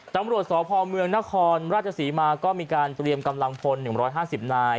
ตำรวจสพเมืองนครราชศรีมาก็มีการเตรียมกำลังพล๑๕๐นาย